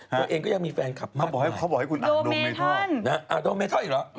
เพราะเองก็ยังมีแฟนคับมากเขาบอกให้คุณอ่านโดเมทัล